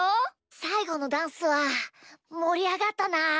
さいごのダンスはもりあがったな！